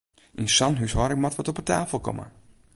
Yn sa'n húshâlding moat wat op 'e tafel komme!